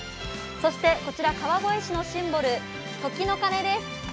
そして、こちら川越市のシンボル、時の鐘です。